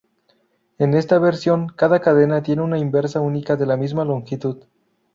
En esta versión, cada cadena tiene una inversa única de la misma longitud.